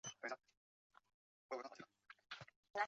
他在新萨莱等地铸币。